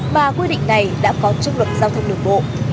mà quy định này đã có trong luật giao thông đường bộ